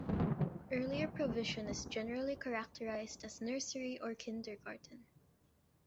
Earlier provision is generally characterised as nursery or kindergarten.